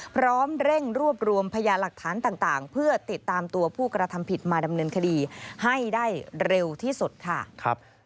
พร้อมเร่งรวบรวมพยาหลักฐานต่างเพื่อติดตามตัวผู้กระทำผิดมาดำเนินคดีให้ได้เร็วที่สุดค่ะ